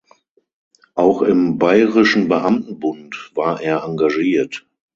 Auch im Bayerischen Beamtenbund war er engagiert.